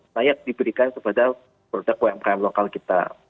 banyak diberikan kepada produk umkm lokal kita